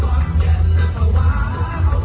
สวัสดีครับสวัสดีครับ